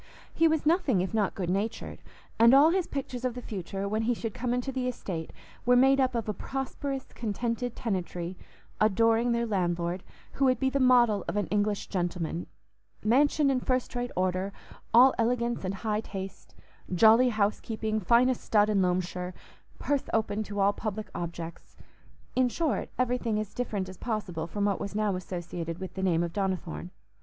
He was nothing if not good natured; and all his pictures of the future, when he should come into the estate, were made up of a prosperous, contented tenantry, adoring their landlord, who would be the model of an English gentleman—mansion in first rate order, all elegance and high taste—jolly housekeeping, finest stud in Loamshire—purse open to all public objects—in short, everything as different as possible from what was now associated with the name of Donnithorne.